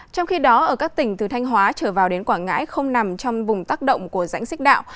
trong khi đó ở các tỉnh từ thanh hóa trở vào đến quảng ngãi không nằm trong vùng tác động của rãnh xích đạo